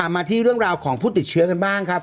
มาที่เรื่องราวของผู้ติดเชื้อกันบ้างครับ